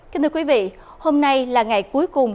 kính thưa quý vị hôm nay là ngày cuối cùng